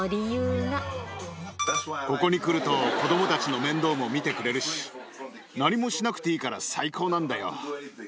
ここに来ると、子どもたちの面倒も見てくれるし、何もしなくていいから、最高なんだよ。